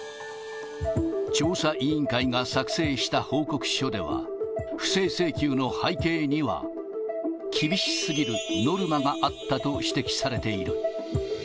調査委員会が作成した報告書では、不正請求の背景には、厳しすぎるノルマがあったと指摘されている。